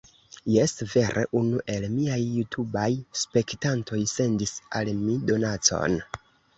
Jes, vere unu el miaj Jutubaj spektantoj sendis al mi donacon!